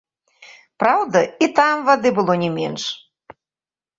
Праўда, і там вады было не менш.